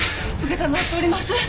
承っております。